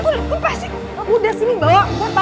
gue pasti udah sini bawa